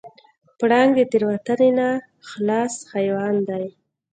پړانګ د تېروتنې نه خلاص حیوان دی.